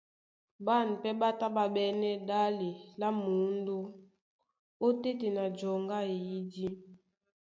Ɓân pɛ́ ɓá tá ɓá ɓɛ́nɛ́ ɗále lá mǔndó óteten a joŋgo a eyídí.